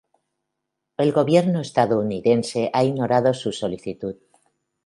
El Gobierno estadounidense ha ignorado su solicitud.